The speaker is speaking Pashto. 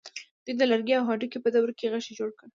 دوی د لرګي او هډوکي په دوره کې غشی جوړ کړ.